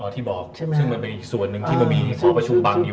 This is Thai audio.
อ๋อที่บอกซึ่งมันเป็นอีกส่วนนึงที่มันมีข้อประชุบังอยู่